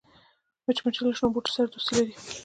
مچمچۍ له شنو بوټو سره دوستي لري